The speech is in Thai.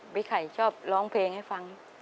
ไข่ชอบร้องเพลงให้ฟัง